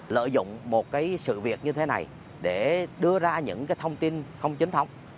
lợi dụng một sự việc như thế này để đưa ra những thông tin không chính thống